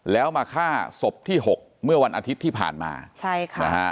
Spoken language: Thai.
แล้วมาฆ่าศพที่หกเมื่อวันอาทิตย์ที่ผ่านมาใช่ค่ะนะฮะ